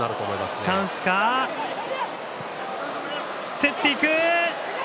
競っていく！